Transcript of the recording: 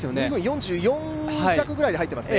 ２分４４弱ぐらいで入ってますね。